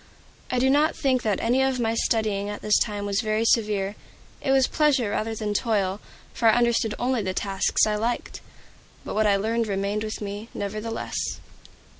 I do not think that any of my studying at this time was very severe; it was pleasure rather than toil, for I undertook only the tasks I liked. But what I learned remained with me, nevertheless.